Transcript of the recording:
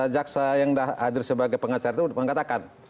jaksa yang hadir sebagai pengacara itu mengatakan